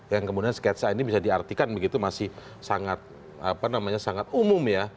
yang kemudian sketsa ini bisa diartikan begitu masih sangat umum ya